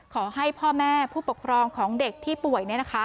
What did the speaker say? ขอให้พ่อแม่ผู้ปกครองของเด็กที่ป่วย